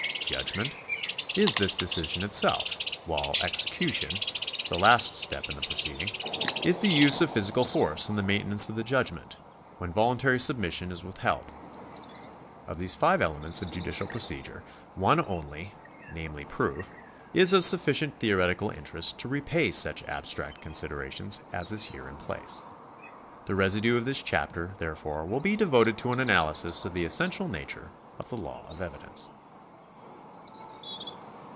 Judgment is this deci sion itself, while execution, the last step in the proceeding, is the use of physical force in the maintenance of the judgment, when voluntary submission is withheld Of these five elements of judicial procedure one only, namely proof, is of sufficient theoretical interest to repay such abstract con sideration as is here in place. The residue of this chapter, therefore, will be devoted to an analysis of the essential nature of the law of evidence.